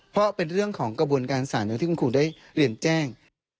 เพราะเป็นเรื่องของกระบวนการสารอย่างที่คุณครูได้เรียนแจ้ง